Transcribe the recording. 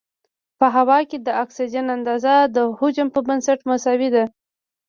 په هوا کې د اکسیجن اندازه د حجم په بنسټ مساوي ده.